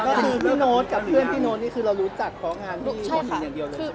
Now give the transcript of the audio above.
ก็คือพี่โน๊ตกับเพื่อนพี่โน๊ตนี่คือเรารู้จักเพราะงานพี่มอสินอย่างเดียวเลย